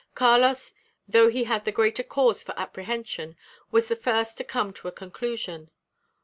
Carlos, though he had the greater cause for apprehension, was the first to come to a conclusion.